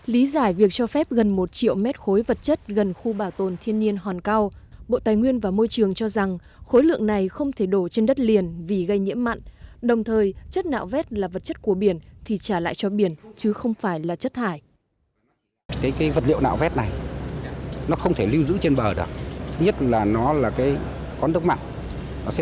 lý giải việc cho phép gần một triệu mét khối vật chất gần khu bảo tồn thiên nhiên hòn cao bộ tài nguyên và môi trường cho rằng khối lượng này không thể đổ trên đất liền vì gây nhiễm mặn đồng thời chất nạo vét là vật chất của biển thì trả lại cho biển chứ không phải là chất thải